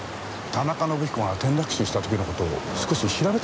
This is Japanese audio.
田中伸彦が転落死した時の事を少し調べてみましょうか。